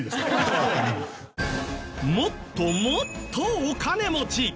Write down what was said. もっともっとお金持ち。